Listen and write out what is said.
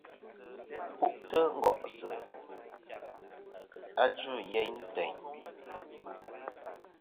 Ku'tɨ ngòsɨ a djuyeyn etm.